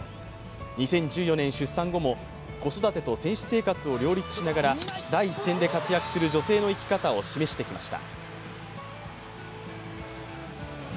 ２０１４年出産後も子育てと選手生活を両立しながら第一線で活躍する、女性の生き方を示してきました。